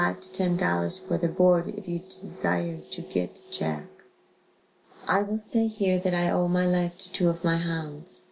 00 to $10.00 for the board if you desire to get Jack. I will say here that I owe my life to two of my hounds.